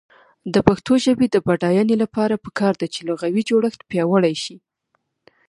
د پښتو ژبې د بډاینې لپاره پکار ده چې لغوي جوړښت پیاوړی شي.